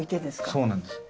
そうなんです。